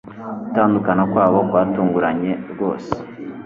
Gutandukana kwabo kwatunguranye rwose.